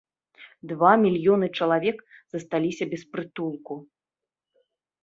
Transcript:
Два мільёны чалавек засталіся без прытулку.